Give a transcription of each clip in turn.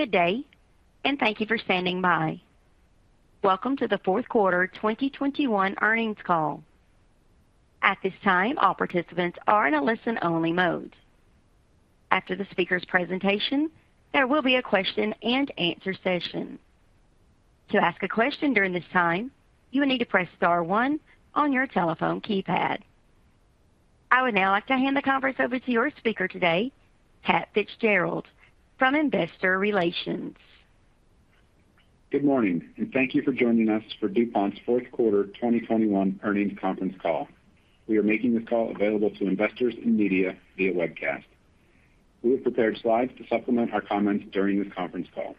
Good day, and thank you for standing by. Welcome to the fourth quarter 2021 earnings call. At this time, all participants are in a listen-only mode. After the speaker's presentation, there will be a question-and-answer session. To ask a question during this time, you will need to press star one on your telephone keypad. I would now like to hand the conference over to your speaker today, Pat Fitzgerald from Investor Relations. Good morning, and thank you for joining us for DuPont's fourth quarter 2021 earnings conference call. We are making this call available to investors and media via webcast. We have prepared slides to supplement our comments during this conference call.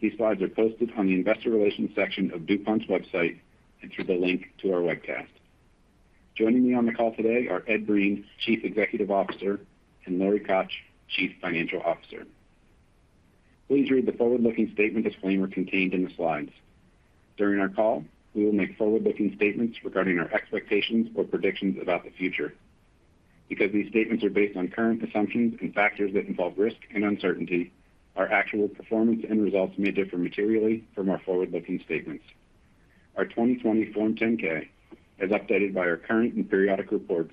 These slides are posted on the investor relations section of DuPont's website and through the link to our webcast. Joining me on the call today are Ed Breen, Chief Executive Officer, and Lori Koch, Chief Financial Officer. Please read the forward-looking statement disclaimer contained in the slides. During our call, we will make forward-looking statements regarding our expectations or predictions about the future. Because these statements are based on current assumptions and factors that involve risk and uncertainty, our actual performance and results may differ materially from our forward-looking statements. Our 2020 Form 10-K, as updated by our current and periodic reports,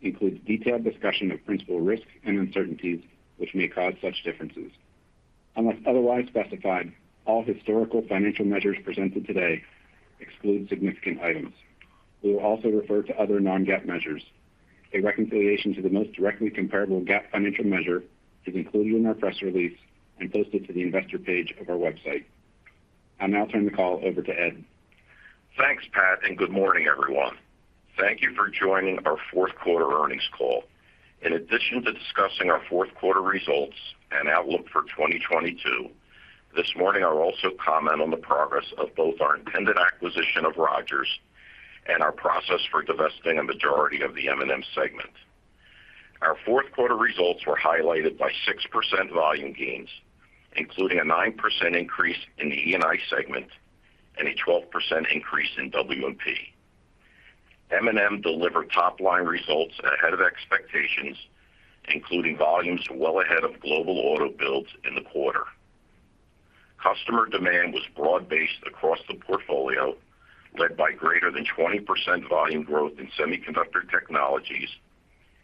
includes detailed discussion of principal risks and uncertainties which may cause such differences. Unless otherwise specified, all historical financial measures presented today exclude significant items. We will also refer to other non-GAAP measures. A reconciliation to the most directly comparable GAAP financial measure is included in our press release and posted to the investor page of our website. I'll now turn the call over to Ed. Thanks, Pat, and good morning, everyone. Thank you for joining our fourth quarter earnings call. In addition to discussing our fourth quarter results and outlook for 2022, this morning I'll also comment on the progress of both our intended acquisition of Rogers and our process for divesting a majority of the M&M segment. Our fourth quarter results were highlighted by 6% volume gains, including a 9% increase in the E&I segment and a 12% increase in W&P. M&M delivered top-line results ahead of expectations, including volumes well ahead of global auto builds in the quarter. Customer demand was broad-based across the portfolio, led by greater than 20% volume growth in semiconductor technologies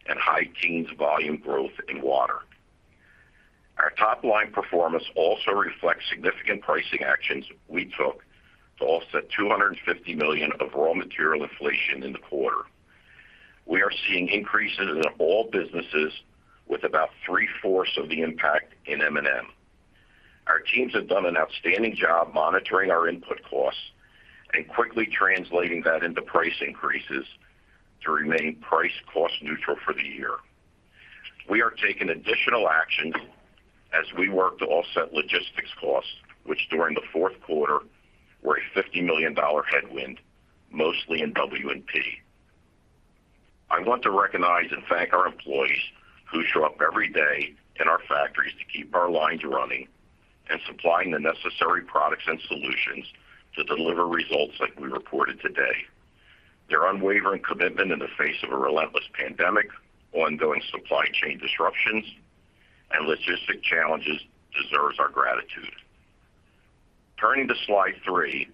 and high teens volume growth in water. Our top-line performance also reflects significant pricing actions we took to offset $250 million of raw material inflation in the quarter. We are seeing increases in all businesses with about three-fourths of the impact in M&M. Our teams have done an outstanding job monitoring our input costs and quickly translating that into price increases to remain price cost neutral for the year. We are taking additional actions as we work to offset logistics costs, which during the fourth quarter were a $50 million headwind, mostly in W&P. I want to recognize and thank our employees who show up every day in our factories to keep our lines running and supplying the necessary products and solutions to deliver results like we reported today. Their unwavering commitment in the face of a relentless pandemic, ongoing supply chain disruptions, and logistics challenges deserves our gratitude. Turning to slide 3,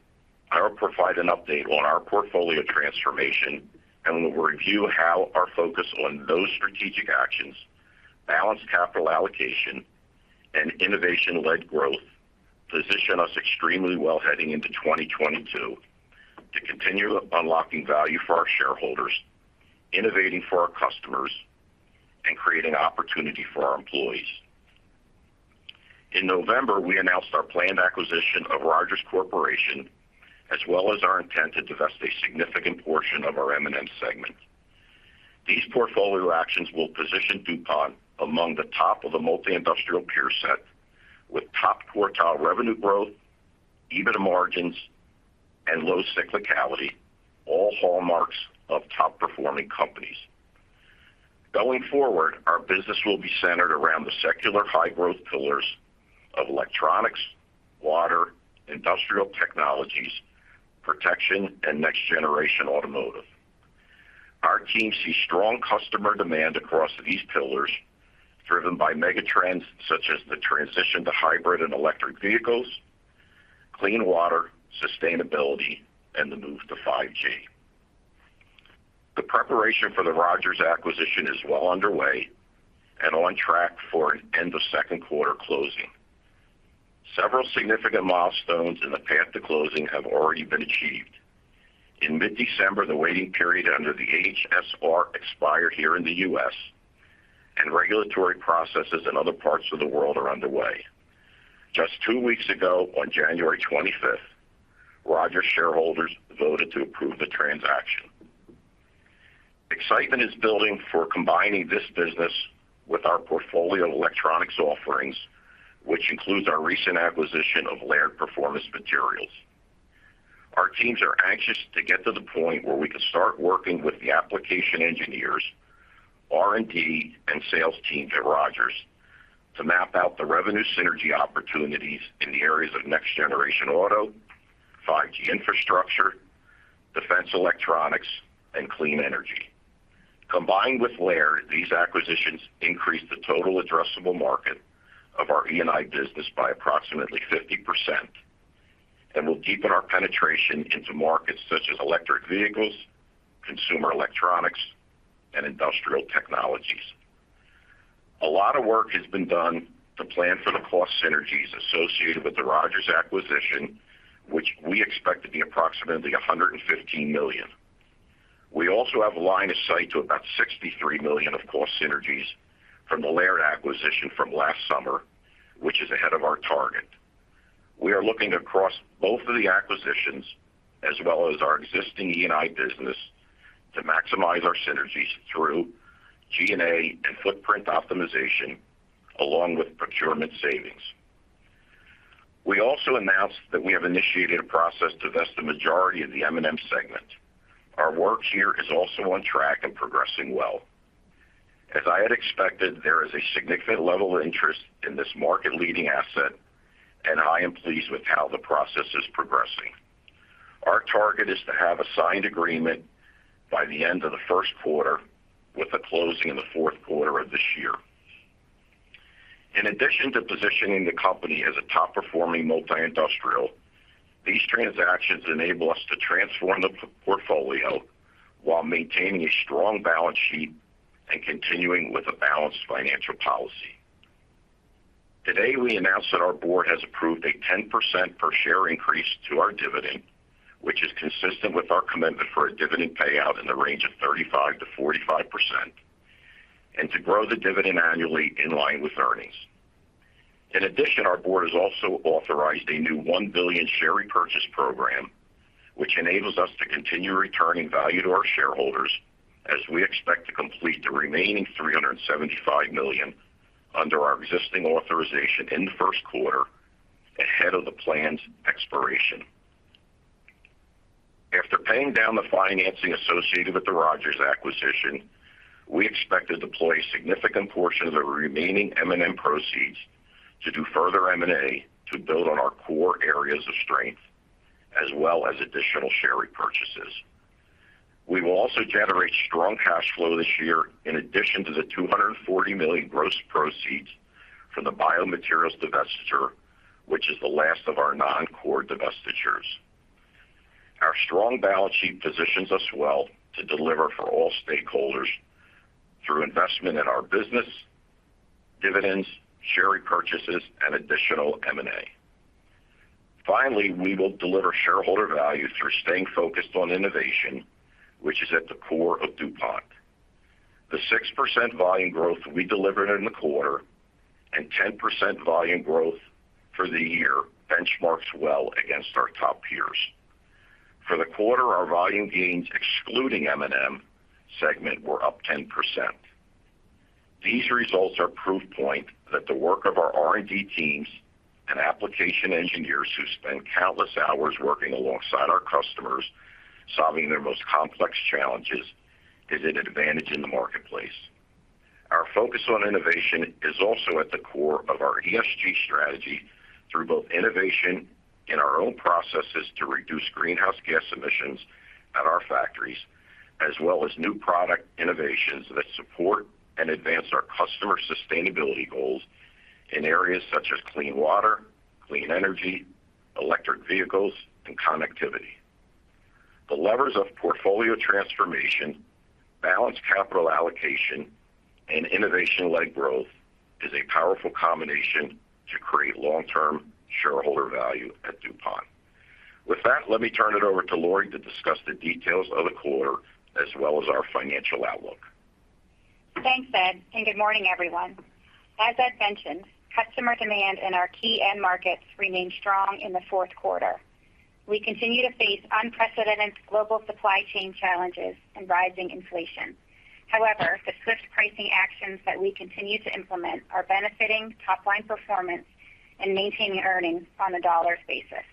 I will provide an update on our portfolio transformation, and we'll review how our focus on those strategic actions, balanced capital allocation, and innovation-led growth position us extremely well heading into 2022 to continue unlocking value for our shareholders, innovating for our customers, and creating opportunity for our employees. In November, we announced our planned acquisition of Rogers Corporation, as well as our intent to divest a significant portion of our M&M segment. These portfolio actions will position DuPont among the top of the multi-industrial peer set with top quartile revenue growth, EBITDA margins, and low cyclicality, all hallmarks of top-performing companies. Going forward, our business will be centered around the secular high growth pillars of electronics, water, industrial technologies, protection, and next generation automotive. Our team sees strong customer demand across these pillars, driven by megatrends such as the transition to hybrid and electric vehicles, clean water, sustainability, and the move to 5G. The preparation for the Rogers acquisition is well underway and on track for an end of second quarter closing. Several significant milestones in the path to closing have already been achieved. In mid-December, the waiting period under the HSR expired here in the U.S., and regulatory processes in other parts of the world are underway. Just two weeks ago, on January 25, Rogers shareholders voted to approve the transaction. Excitement is building for combining this business with our portfolio of electronics offerings, which includes our recent acquisition of Laird Performance Materials. Our teams are anxious to get to the point where we can start working with the application engineers, R&D, and sales teams at Rogers to map out the revenue synergy opportunities in the areas of next-generation auto, 5G infrastructure, advanced electronics, and clean energy. Combined with Laird, these acquisitions increase the total addressable market of our E&I business by approximately 50% and will deepen our penetration into markets such as electric vehicles, consumer electronics, and industrial technologies. A lot of work has been done to plan for the cost synergies associated with the Rogers acquisition, which we expect to be approximately $115 million. We also have line of sight to about $63 million of cost synergies from the Laird acquisition from last summer, which is ahead of our target. We are looking across both of the acquisitions as well as our existing E&I business to maximize our synergies through G&A and footprint optimization along with procurement savings. We also announced that we have initiated a process to divest the majority of the M&M segment. Our work here is also on track and progressing well. As I had expected, there is a significant level of interest in this market-leading asset, and I am pleased with how the process is progressing. Our target is to have a signed agreement by the end of the first quarter with a closing in the fourth quarter of this year. In addition to positioning the company as a top-performing multi-industrial, these transactions enable us to transform the portfolio while maintaining a strong balance sheet and continuing with a balanced financial policy. Today, we announced that our Board has approved a 10% per share increase to our dividend, which is consistent with our commitment for a dividend payout in the range of 35%-45% and to grow the dividend annually in line with earnings. In addition, our Board has also authorized a new 1 billion share repurchase program, which enables us to continue returning value to our shareholders as we expect to complete the remaining 375 million under our existing authorization in the first quarter ahead of the planned expiration. After paying down the financing associated with the Rogers acquisition, we expect to deploy a significant portion of the remaining M&M proceeds to do further M&A to build on our core areas of strength as well as additional share repurchases. We will also generate strong cash flow this year in addition to the $240 million gross proceeds from the Biomaterials divestiture, which is the last of our non-core divestitures. Our strong balance sheet positions us well to deliver for all stakeholders through investment in our business, dividends, share repurchases, and additional M&A. Finally, we will deliver shareholder value through staying focused on innovation, which is at the core of DuPont. The 6% volume growth we delivered in the quarter and 10% volume growth for the year benchmarks well against our top peers. For the quarter, our volume gains excluding M&M segment were up 10%. These results are proof point that the work of our R&D teams and application engineers who spend countless hours working alongside our customers, solving their most complex challenges is an advantage in the marketplace. Our focus on innovation is also at the core of our ESG strategy through both innovation in our own processes to reduce greenhouse gas emissions at our factories, as well as new product innovations that support and advance our customer sustainability goals in areas such as clean water, clean energy, electric vehicles, and connectivity. The levers of portfolio transformation, balanced capital allocation, and innovation-led growth is a powerful combination to create long-term shareholder value at DuPont. With that, let me turn it over to Lori to discuss the details of the quarter as well as our financial outlook. Thanks, Ed, and good morning, everyone. As Ed mentioned, customer demand in our key end markets remained strong in the fourth quarter. We continue to face unprecedented global supply chain challenges and rising inflation. However, the swift pricing actions that we continue to implement are benefiting top line performance and maintaining earnings on a dollar basis.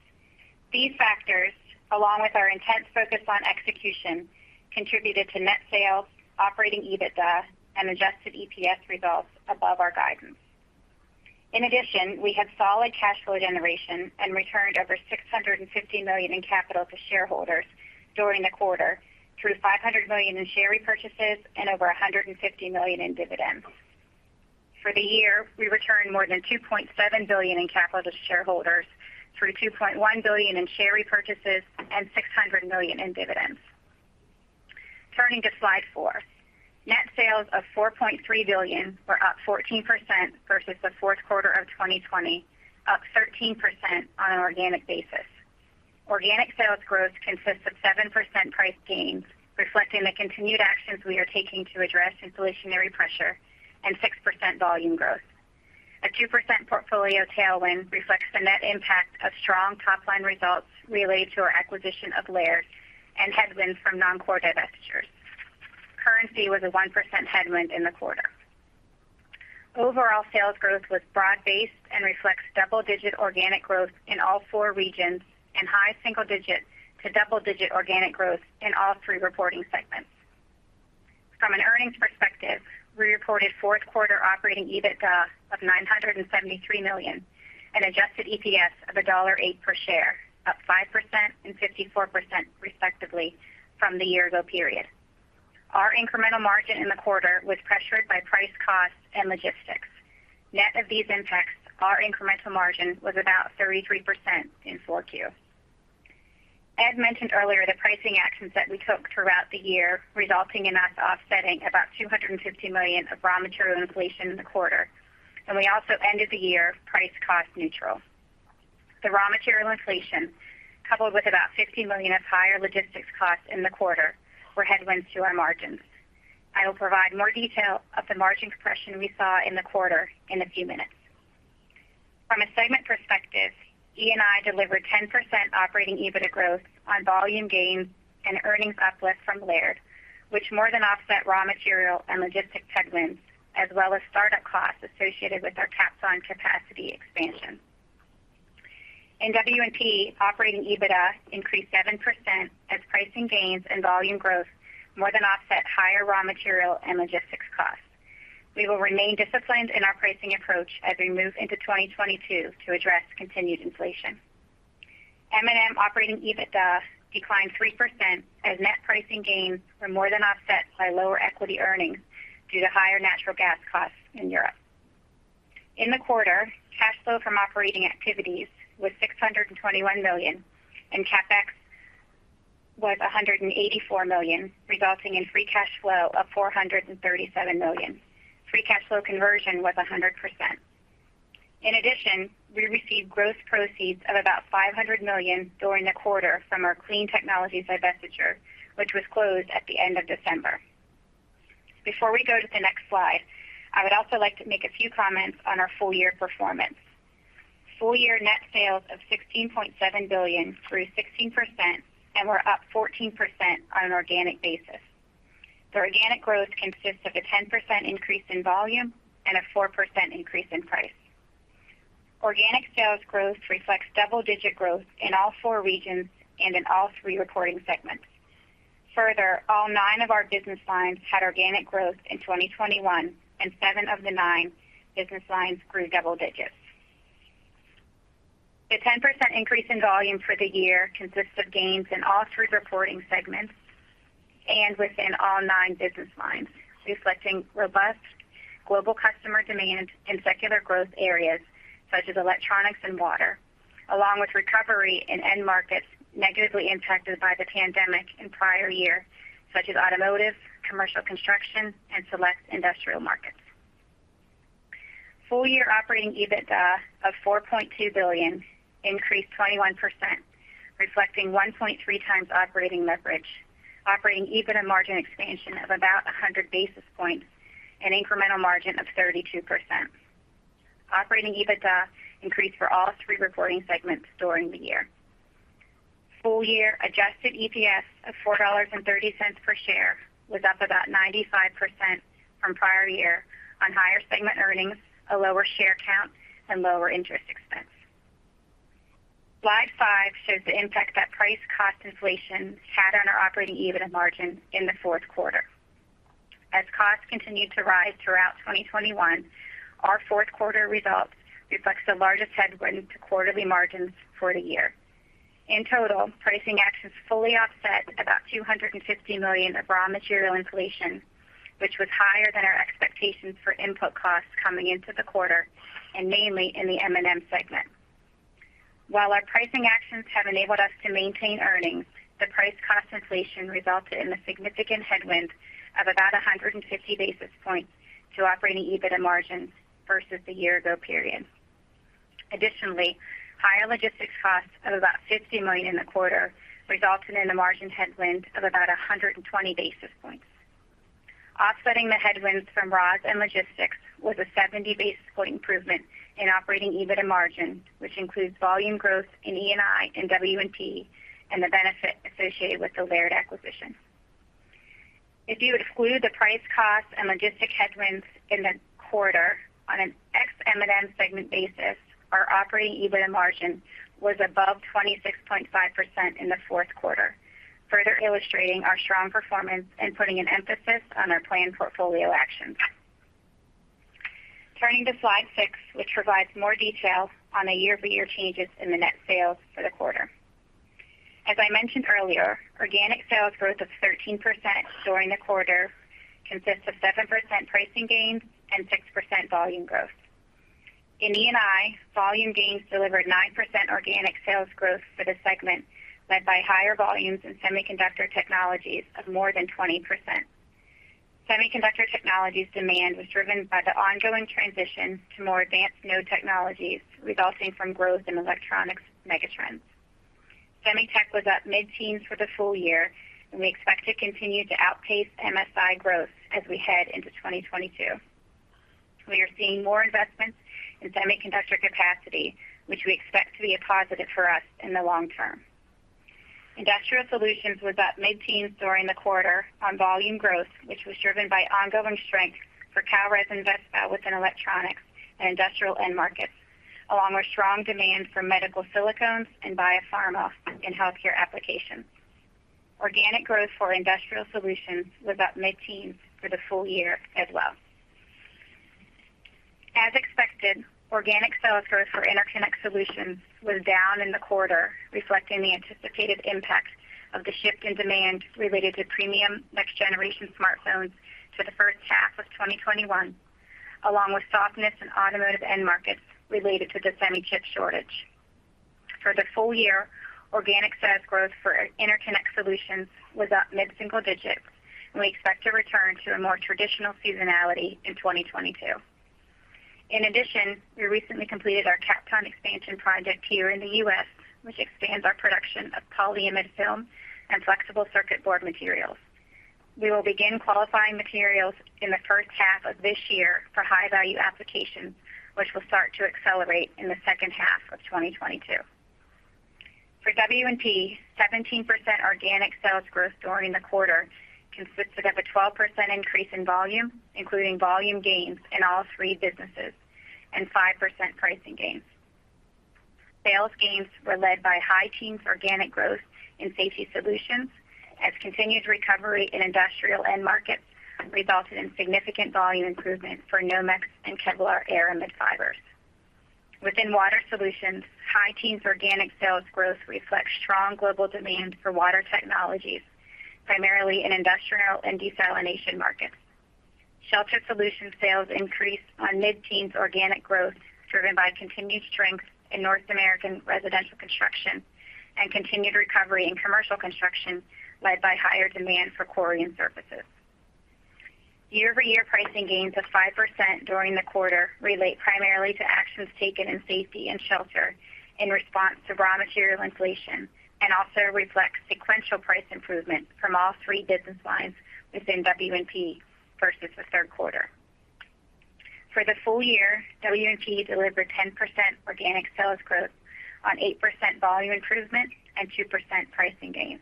These factors, along with our intense focus on execution, contributed to net sales, operating EBITDA, and adjusted EPS results above our guidance. In addition, we had solid cash flow generation and returned over $650 million in capital to shareholders during the quarter through $500 million in share repurchases and over $150 million in dividends. For the year, we returned more than $2.7 billion in capital to shareholders through $2.1 billion in share repurchases and $600 million in dividends. Turning to slide four. Net sales of $4.3 billion were up 14% versus the fourth quarter of 2020, up 13% on an organic basis. Organic sales growth consists of 7% price gains, reflecting the continued actions we are taking to address inflationary pressure and 6% volume growth. A 2% portfolio tailwind reflects the net impact of strong top-line results related to our acquisition of Laird and headwinds from non-core divestitures. Currency was a 1% headwind in the quarter. Overall sales growth was broad-based and reflects double-digit organic growth in all four regions and high single-digit to double-digit organic growth in all three reporting segments. From an earnings perspective, we reported fourth quarter operating EBITDA of $973 million and adjusted EPS of $1.08 per share, up 5% and 54% respectively from the year ago period. Our incremental margin in the quarter was pressured by price cost and logistics. Net of these impacts, our incremental margin was about 33% in Q4. As mentioned earlier, the pricing actions that we took throughout the year resulting in us offsetting about $250 million of raw material inflation in the quarter. We also ended the year price cost neutral. The raw material inflation, coupled with about $50 million of higher logistics costs in the quarter, were headwinds to our margins. I will provide more detail of the margin compression we saw in the quarter in a few minutes. From a segment perspective, E&I delivered 10% operating EBITDA growth on volume gains and earnings uplift from Laird, which more than offset raw material and logistic headwinds, as well as startup costs associated with our Capstone capacity expansion. In W&P, operating EBITDA increased 7% as pricing gains and volume growth more than offset higher raw material and logistics costs. We will remain disciplined in our pricing approach as we move into 2022 to address continued inflation. M&M operating EBITDA declined 3% as net pricing gains were more than offset by lower equity earnings due to higher natural gas costs in Europe. In the quarter, cash flow from operating activities was $621 million, and CapEx was $184 million, resulting in free cash flow of $437 million. Free cash flow conversion was 100%. In addition, we received gross proceeds of about $500 million during the quarter from our Clean Technologies divestiture, which was closed at the end of December. Before we go to the next slide, I would also like to make a few comments on our full-year performance. full-year net sales of $16.7 billion grew 16% and were up 14% on an organic basis. The organic growth consists of a 10% increase in volume and a 4% increase in price. Organic sales growth reflects double-digit growth in all four regions and in all three reporting segments. Further, all nine of our business lines had organic growth in 2021, and seven of the nine business lines grew double digits. The 10% increase in volume for the year consists of gains in all three reporting segments and within all nine business lines, reflecting robust global customer demand in secular growth areas such as electronics and water, along with recovery in end markets negatively impacted by the pandemic in prior year, such as automotive, commercial construction, and select industrial markets. full-year operating EBITDA of $4.2 billion increased 21%, reflecting one point three times operating leverage, operating EBITDA margin expansion of about 100 basis points, an incremental margin of 32%. Operating EBITDA increased for all three reporting segments during the year. full-year adjusted EPS of $4.30 per share was up about 95% from prior year on higher segment earnings, a lower share count, and lower interest expense. Slide 5 shows the impact that price cost inflation had on our operating EBITDA margin in the fourth quarter. As costs continued to rise throughout 2021, our fourth quarter results reflects the largest headwind to quarterly margins for the year. In total, pricing actions fully offset about $250 million of raw material inflation, which was higher than our expectations for input costs coming into the quarter, and mainly in the M&M segment. While our pricing actions have enabled us to maintain earnings, the price cost inflation resulted in a significant headwind of about 150 basis points to operating EBITDA margins versus the year-ago period. Additionally, higher logistics costs of about $50 million in the quarter resulted in a margin headwind of about 120 basis points. Offsetting the headwinds from raws and logistics was a 70 basis point improvement in operating EBITDA margin, which includes volume growth in E&I and W&P and the benefit associated with the Laird acquisition. If you exclude the price cost and logistic headwinds in the quarter on an ex M&M segment basis, our operating EBITDA margin was above 26.5% in the fourth quarter, further illustrating our strong performance and putting an emphasis on our planned portfolio actions. Turning to slide 6, which provides more detail on the year-over-year changes in the net sales for the quarter. As I mentioned earlier, organic sales growth of 13% during the quarter consists of 7% pricing gains and 6% volume growth. In E&I, volume gains delivered 9% organic sales growth for the segment, led by higher volumes in Semiconductor Technologies of more than 20%. Semiconductor Technologies demand was driven by the ongoing transition to more advanced node technologies resulting from growth in electronics megatrends. Semi tech was up mid-teens for the full-year, and we expect to continue to outpace MSI growth as we head into 2022. We are seeing more investments in semiconductor capacity, which we expect to be a positive for us in the long term. Industrial Solutions was up mid-teens during the quarter on volume growth, which was driven by ongoing strength for Kalrez and Vespel within electronics and industrial end markets, along with strong demand for medical silicones and biopharma in healthcare applications. Organic growth for Industrial Solutions was up mid-teens for the full-year as well. As expected, organic sales growth for Interconnect Solutions was down in the quarter, reflecting the anticipated impact of the shift in demand related to premium next-generation smartphones to the first half of 2021, along with softness in automotive end markets related to the semiconductor chip shortage. For the full-year, organic sales growth for Interconnect Solutions was up mid-single digits, and we expect to return to a more traditional seasonality in 2022. In addition, we recently completed our Kapton expansion project here in the U.S., which expands our production of polyimide film and flexible circuit board materials. We will begin qualifying materials in the first half of this year for high-value applications, which will start to accelerate in the second half of 2022. For W&P, 17% organic sales growth during the quarter consisted of a 12% increase in volume, including volume gains in all three businesses, and 5% pricing gains. Sales gains were led by high teens organic growth in Safety Solutions as continued recovery in industrial end markets resulted in significant volume improvement for Nomex and Kevlar aramid fibers. Within Water Solutions, high teens organic sales growth reflects strong global demand for water technologies, primarily in industrial and desalination markets. Shelter Solutions sales increased on mid-teens organic growth, driven by continued strength in North American residential construction and continued recovery in commercial construction, led by higher demand for Corian surfaces. Year-over-year pricing gains of 5% during the quarter relate primarily to actions taken in Safety and Shelter in response to raw material inflation, and also reflects sequential price improvement from all three business lines within W&P versus the third quarter. For the full-year, W&P delivered 10% organic sales growth on 8% volume improvement and 2% pricing gain.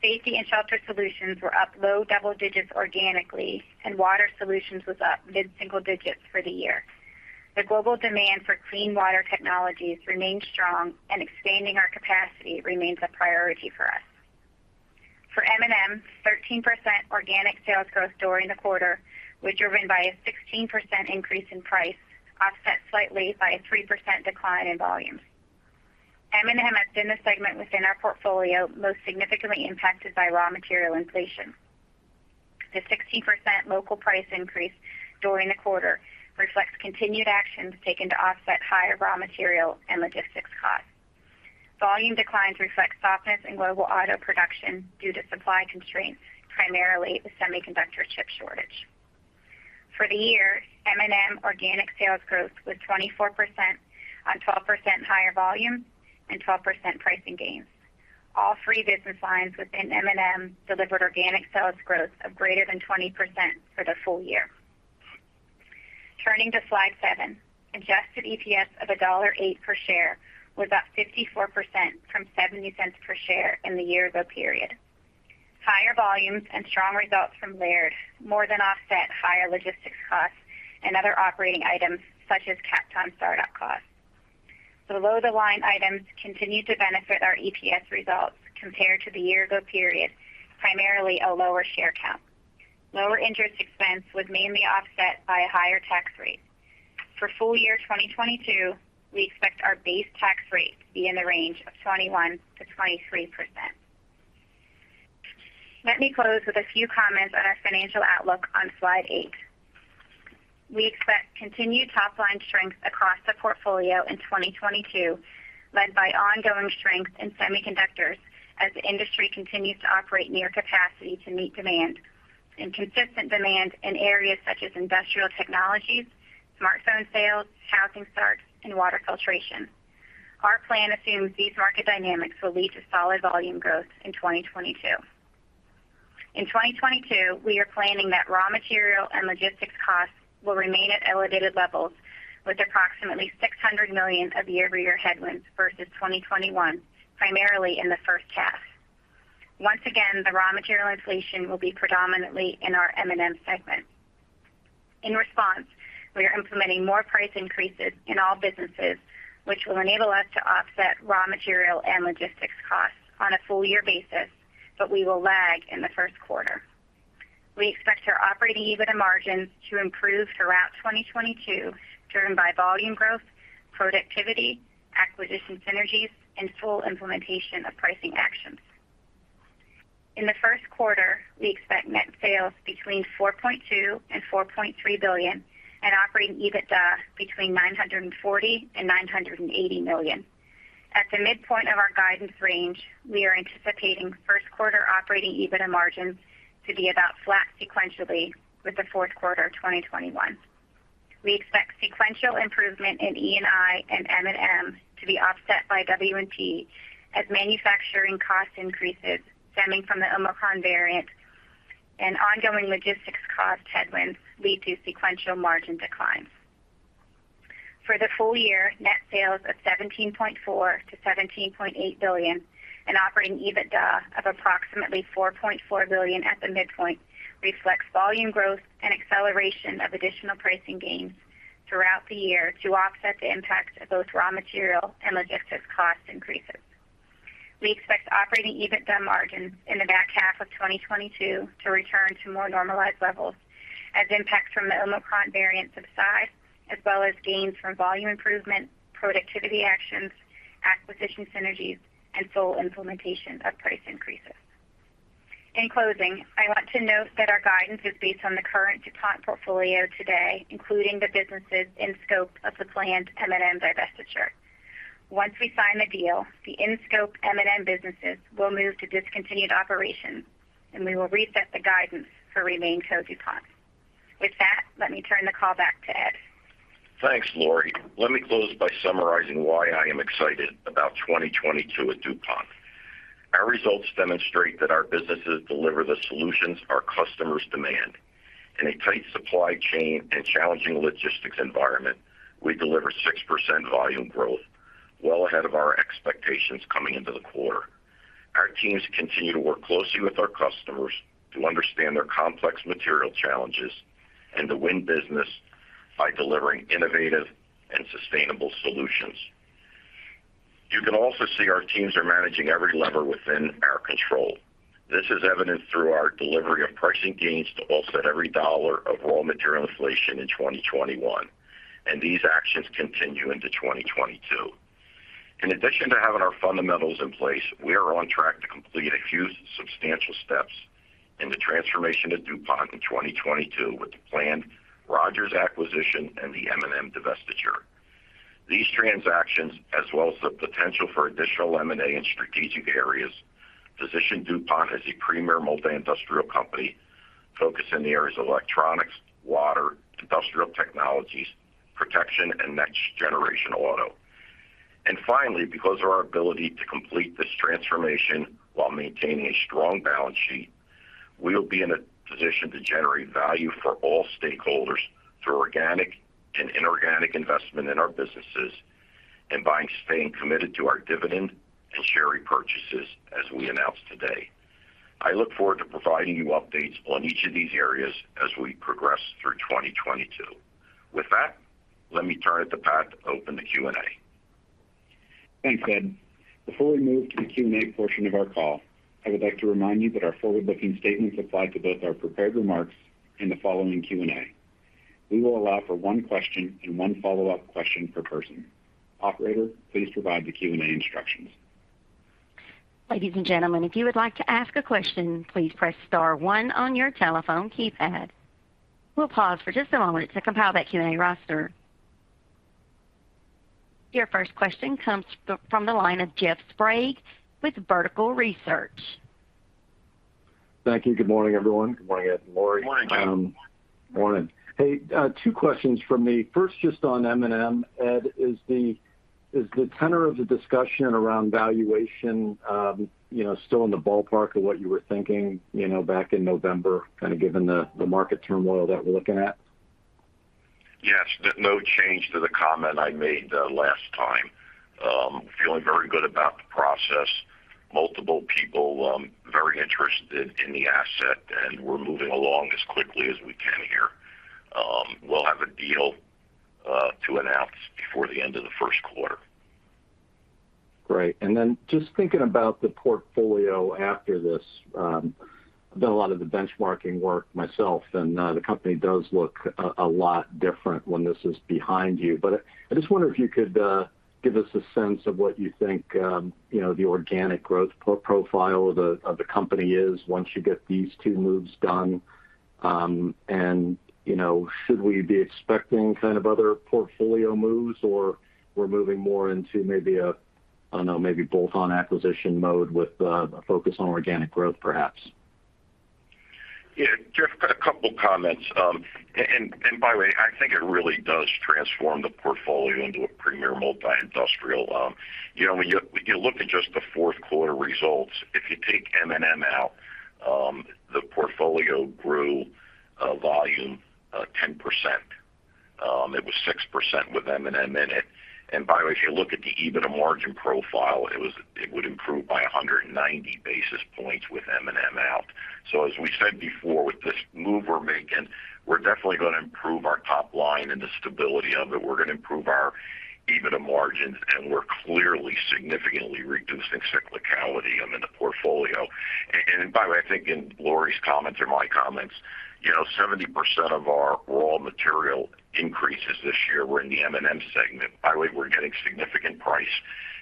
Safety and Shelter Solutions were up low double digits organically, and Water Solutions was up mid-single digits for the year. The global demand for clean water technologies remains strong, and expanding our capacity remains a priority for us. For M&M, 13% organic sales growth during the quarter was driven by a 16% increase in price, offset slightly by a 3% decline in volume. M&M has been the segment within our portfolio most significantly impacted by raw material inflation. The 16% local price increase during the quarter reflects continued actions taken to offset higher raw material and logistics costs. Volume declines reflect softness in global auto production due to supply constraints, primarily the semiconductor chip shortage. For the year, M&M organic sales growth was 24% on 12% higher volume and 12% pricing gains. All three business lines within M&M delivered organic sales growth of greater than 20% for the full-year. Turning to slide seven, adjusted EPS of $1.08 per share was up 54% from $0.70 per share in the year-ago period. Higher volumes and strong results from Laird more than offset higher logistics costs and other operating items such as Kapton startup costs. Below-the-line items continued to benefit our EPS results compared to the year-ago period, primarily a lower share count. Lower interest expense was mainly offset by a higher tax rate. For full-year 2022, we expect our base tax rate to be in the range of 21%-23%. Let me close with a few comments on our financial outlook on slide eight. We expect continued top-line strength across the portfolio in 2022, led by ongoing strength in semiconductors as the industry continues to operate near capacity to meet demand and consistent demand in areas such as industrial technologies, smartphone sales, housing starts, and water filtration. Our plan assumes these market dynamics will lead to solid volume growth in 2022. In 2022, we are planning that raw material and logistics costs will remain at elevated levels with approximately $600 million of year-over-year headwinds versus 2021, primarily in the first half. Once again, the raw material inflation will be predominantly in our M&M segment. In response, we are implementing more price increases in all businesses, which will enable us to offset raw material and logistics costs on a full-year basis, but we will lag in the first quarter. We expect our operating EBITDA margins to improve throughout 2022, driven by volume growth, productivity, acquisition synergies, and full implementation of pricing actions. In the first quarter, we expect net sales between $4.2 billion-$4.3 billion and operating EBITDA between $940 million-$980 million. At the midpoint of our guidance range, we are anticipating first quarter operating EBITDA margins to be about flat sequentially with the fourth quarter of 2021. We expect sequential improvement in E&I and M&M to be offset by W&P as manufacturing cost increases stemming from the Omicron variant and ongoing logistics cost headwinds lead to sequential margin declines. For the full-year, net sales of $17.4 billion-$17.8 billion and operating EBITDA of approximately $4.4 billion at the midpoint reflects volume growth and acceleration of additional pricing gains throughout the year to offset the impact of both raw material and logistics cost increases. We expect operating EBITDA margins in the back half of 2022 to return to more normalized levels as impacts from the Omicron variant subside, as well as gains from volume improvement, productivity actions, acquisition synergies, and full implementation of price increases. In closing, I want to note that our guidance is based on the current DuPont portfolio today, including the businesses in scope of the planned M&M divestiture. Once we sign the deal, the in-scope M&M businesses will move to discontinued operations, and we will reset the guidance for remaining core DuPont. With that, let me turn the call back to Ed. Thanks, Lori. Let me close by summarizing why I am excited about 2022 at DuPont. Our results demonstrate that our businesses deliver the solutions our customers demand. In a tight supply chain and challenging logistics environment, we delivered 6% volume growth, well ahead of our expectations coming into the quarter. Our teams continue to work closely with our customers to understand their complex material challenges and to win business by delivering innovative and sustainable solutions. You can also see our teams are managing every lever within our control. This is evidenced through our delivery of pricing gains to offset every dollar of raw material inflation in 2021, and these actions continue into 2022. In addition to having our fundamentals in place, we are on track to complete a few substantial steps in the transformation of DuPont in 2022 with the planned Rogers acquisition and the M&M divestiture. These transactions, as well as the potential for additional M&A in strategic areas, position DuPont as a premier multi-industrial company focused in the areas of electronics, water, industrial technologies, protection, and next generation auto. Finally, because of our ability to complete this transformation while maintaining a strong balance sheet, we will be in a position to generate value for all stakeholders through organic and inorganic investment in our businesses and by staying committed to our dividend and share repurchases, as we announced today. I look forward to providing you updates on each of these areas as we progress through 2022. With that, let me turn it to Pat to open the Q&A. Thanks, Ed. Before we move to the Q&A portion of our call, I would like to remind you that our forward-looking statements apply to both our prepared remarks and the following Q&A. We will allow for one question and one follow-up question per person. Operator, please provide the Q&A instructions. Ladies and gentlemen, if you would like to ask a question, please press star one on your telephone keypad. We'll pause for just a moment to compile that Q&A roster. Your first question comes from the line of Jeff Sprague with Vertical Research. Thank you. Good morning, everyone. Good morning, Ed and Lori. Morning. Morning. Hey, two questions from me. First, just on M&M. Ed, is the tenor of the discussion around valuation, you know, still in the ballpark of what you were thinking, you know, back in November, kind of given the market turmoil that we're looking at? Yes. No change to the comment I made last time. Feeling very good about the process. Multiple people, very interested in the asset, and we're moving along as quickly as we can here. We'll have a deal to announce before the end of the first quarter. Great. Just thinking about the portfolio after this, I've done a lot of the benchmarking work myself, and the company does look a lot different when this is behind you. I just wonder if you could give us a sense of what you think, you know, the organic growth profile of the company is once you get these two moves done. You know, should we be expecting kind of other portfolio moves, or we're moving more into maybe a, I don't know, maybe bolt-on acquisition mode with a focus on organic growth, perhaps? Yeah, Jeff, a couple comments. By the way, I think it really does transform the portfolio into a premier multi-industrial. When you look at just the fourth quarter results, if you take M&M out, the portfolio grew volume 10%. It was 6% with M&M in it. By the way, if you look at the EBITDA margin profile, it would improve by 190 basis points with M&M out. As we said before, with this move we're making, we're definitely gonna improve our top line and the stability of it. We're gonna improve our EBITDA margins, and we're clearly significantly reducing cyclicality in the portfolio. By the way, I think in Laurie's comments and my comments, you know, 70% of our raw material increases this year were in the M&M segment. By the way, we're getting significant pricing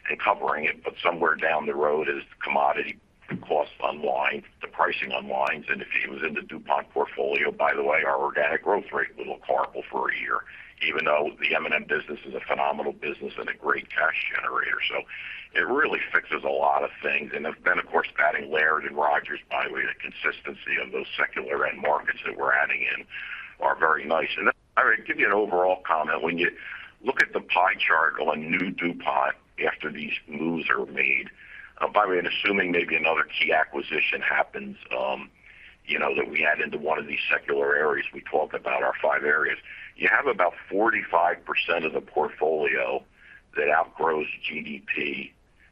and covering it, but somewhere down the road when the commodity costs unwind, the pricing unwinds. If it was in the DuPont portfolio, by the way, our organic growth rate would look horrible for a year, even though the M&M business is a phenomenal business and a great cash generator. It really fixes a lot of things. Then, of course, adding Laird and Rogers, by the way, the consistency of those secular end markets that we're adding in are very nice. I'll give you an overall comment. When you look at the pie chart on new DuPont after these moves are made, by the way, and assuming maybe another key acquisition happens, you know, that we add into one of these secular areas, we talk about our five areas, you have about 45% of the portfolio that outgrows GDP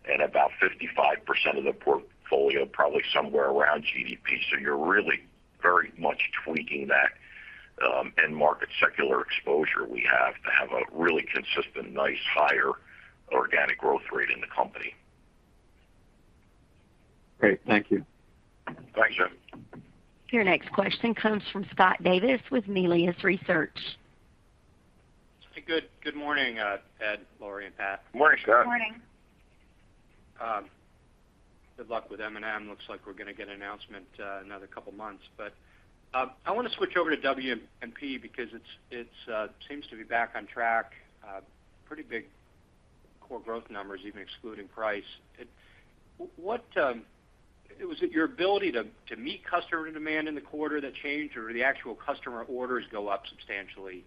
and about 55% of the portfolio probably somewhere around GDP. You're really very much tweaking that end market secular exposure we have to have a really consistent, nice higher organic growth rate in the company. Great. Thank you. Thanks, Jeff. Your next question comes from Scott Davis with Melius Research. Hey, good morning, Ed, Laurie, and Pat. Morning, Scott. Good morning. Good luck with M&M. Looks like we're gonna get an announcement, another couple months. I wanna switch over to W&P because it seems to be back on track, pretty big core growth numbers, even excluding price. What was it your ability to meet customer demand in the quarter that changed, or the actual customer orders go up substantially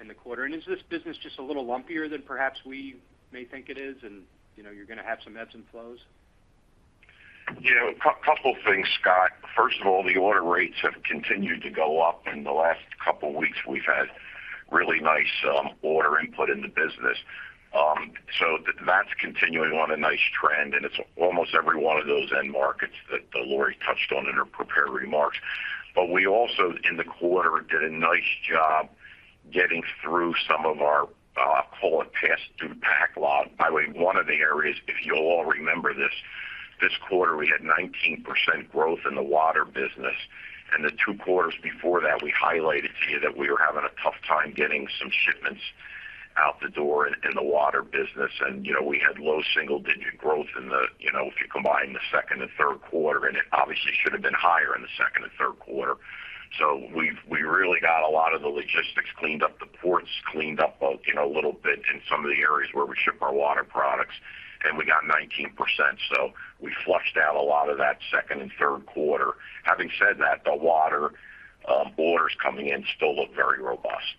in the quarter? Is this business just a little lumpier than perhaps we may think it is and, you know, you're gonna have some ebbs and flows? You know, a couple things, Scott. First of all, the order rates have continued to go up. In the last couple weeks, we've had really nice, order input in the business. So that's continuing on a nice trend, and it's almost every one of those end markets that Laurie touched on in her prepared remarks. But we also in the quarter did a nice job getting through some of our, call it past due backlog. By the way, one of the areas, if you'll all remember this quarter, we had 19% growth in the water business. The two quarters before that, we highlighted to you that we were having a tough time getting some shipments out the door in the water business. You know, we had low single-digit growth in the, you know, if you combine the second and third quarter, and it obviously should have been higher in the second and third quarter. We really got a lot of the logistics cleaned up, the ports cleaned up, you know, a little bit in some of the areas where we ship our water products, and we got 19%. We flushed out a lot of that second and third quarter. Having said that, the water orders coming in still look very robust.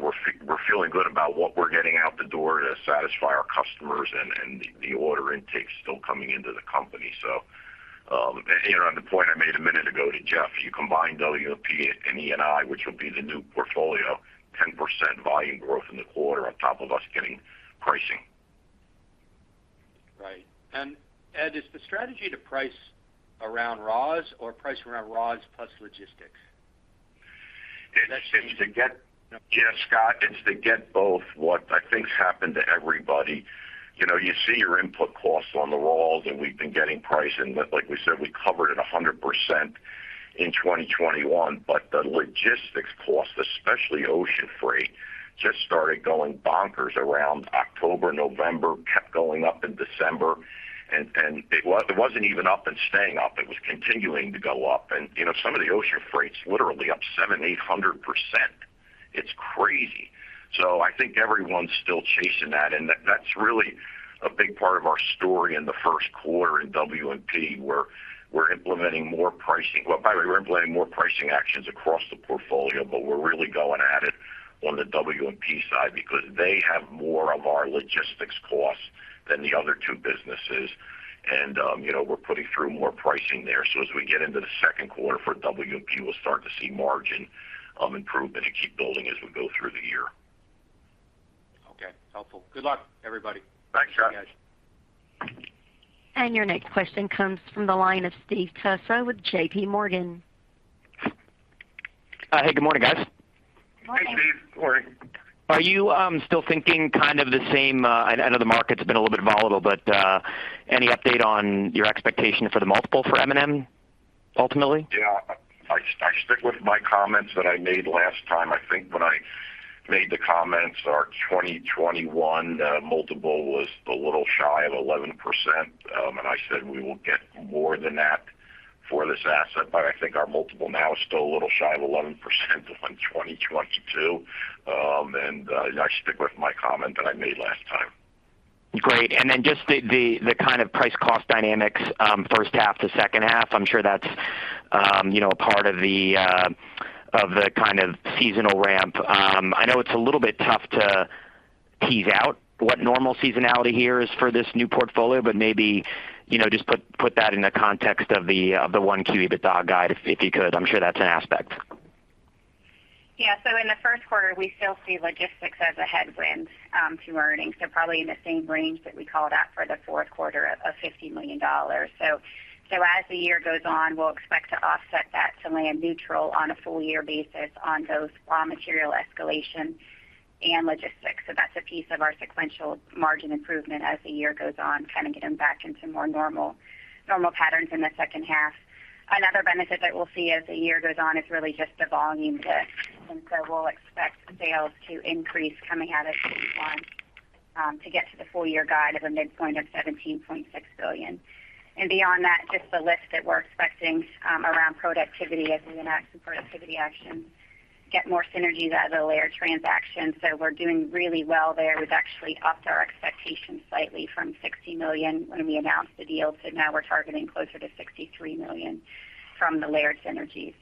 We're feeling good about what we're getting out the door to satisfy our customers and the order intake still coming into the company. On the point I made a minute ago to Jeff, you combine W&P and E&I, which will be the new portfolio, 10% volume growth in the quarter on top of us getting pricing. Right. Ed, is the strategy to price around raws or price around raws plus logistics? It's to get both what I think's happened to everybody. You know, you see your input costs on the raws, and we've been getting price, and like we said, we covered it 100% in 2021. The logistics costs, especially ocean freight, just started going bonkers around October, November, kept going up in December. It wasn't even up and staying up, it was continuing to go up. You know, some of the ocean freight's literally up 700%-800%. It's crazy. I think everyone's still chasing that, and that's really a big part of our story in the first quarter in W&P, where we're implementing more pricing. Well, by the way, we're implementing more pricing actions across the portfolio, but we're really going at it on the W&P side because they have more of our logistics costs than the other two businesses. You know, we're putting through more pricing there. As we get into the second quarter for W&P, we'll start to see margin improvement and keep building as we go through the year. Okay. Helpful. Good luck, everybody. Thanks, Scott. See you, guys. Your next question comes from the line of Steve Tusa with JP Morgan. Hey, good morning, guys. Morning. Hey, Steve. Morning. Are you still thinking kind of the same, I know the market's been a little bit volatile, but any update on your expectation for the multiple for M&M ultimately? Yeah. I stick with my comments that I made last time. I think when I made the comments, our 2021 multiple was a little shy of 11%, and I said we will get more than that for this asset. I think our multiple now is still a little shy of 11% on 2022. I stick with my comment that I made last time. Great. Just the kind of price cost dynamics, first half to second half, I'm sure that's you know, part of the kind of seasonal ramp. I know it's a little bit tough to tease out what normal seasonality here is for this new portfolio, but maybe, you know, just put that in the context of the 1Q EBITDA guide, if you could. I'm sure that's an aspect. Yeah. In the first quarter, we still see logistics as a headwind to earnings. Probably in the same range that we called out for the fourth quarter of $50 million. As the year goes on, we'll expect to offset that to land neutral on a full-year basis on those raw material escalation and logistics. That's a piece of our sequential margin improvement as the year goes on, kind of getting back into more normal patterns in the second half. Another benefit that we'll see as the year goes on is really just the volume lift. We'll expect sales to increase coming out of Q1 to get to the full-year guide of a midpoint of $17.6 billion. Beyond that, just the lift that we're expecting around productivity as we enact some productivity actions, get more synergies out of the Laird transaction. We're doing really well there. We've actually upped our expectations slightly from $60 million when we announced the deal. Now we're targeting closer to $63 million from the Laird synergies.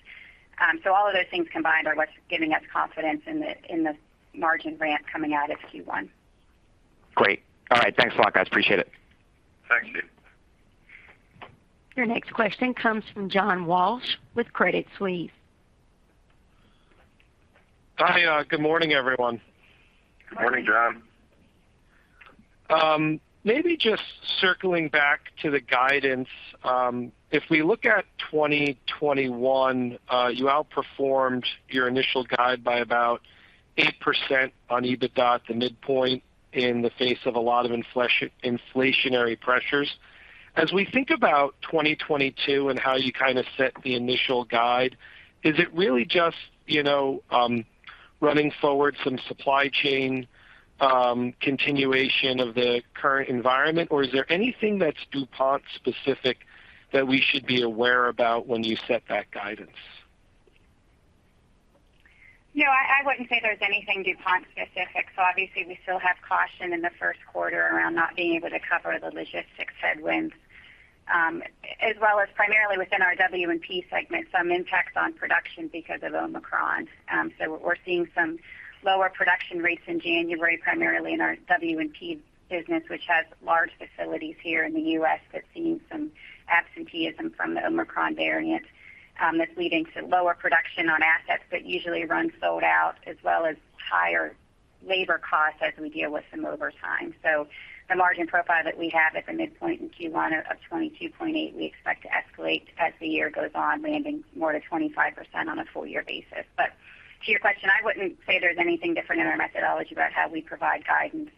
All of those things combined are what's giving us confidence in the margin ramp coming out of Q1. Great. All right. Thanks a lot, guys. Appreciate it. Thanks, Steve. Your next question comes from John Walsh with Credit Suisse. Hi. Good morning, everyone. Good morning, John. Maybe just circling back to the guidance. If we look at 2021, you outperformed your initial guide by about 8% on EBITDA, the midpoint in the face of a lot of inflationary pressures. As we think about 2022 and how you kind of set the initial guide, is it really just, you know, running forward some supply chain, continuation of the current environment? Or is there anything that's DuPont specific that we should be aware about when you set that guidance? No, I wouldn't say there's anything DuPont specific. Obviously we still have caution in the first quarter around not being able to cover the logistics headwinds, as well as primarily within our W&P segment, some impacts on production because of Omicron. We're seeing some lower production rates in January, primarily in our W&P business, which has large facilities here in the U.S. that's seeing some absenteeism from the Omicron variant, that's leading to lower production on assets that usually run sold out, as well as higher labor costs as we deal with some overtime. The margin profile that we have at the midpoint in Q1 of 22.8%, we expect to escalate as the year goes on, landing more to 25% on a full-year basis. To your question, I wouldn't say there's anything different in our methodology about how we provide guidance